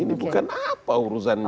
ini bukan apa urusan ini